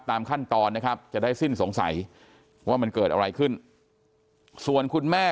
ตามขั้นตอนนะครับจะได้สิ้นสงสัยว่ามันเกิดอะไรขึ้นส่วนคุณแม่